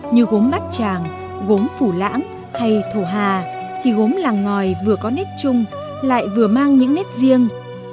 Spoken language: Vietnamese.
như gốm bát tràng gốm phủ lãng hay thổ hà thì gốm làng ngòi vừa có nét chung lại vừa mang những nét riêng